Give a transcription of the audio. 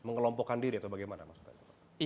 mengelompokkan diri atau bagaimana maksudnya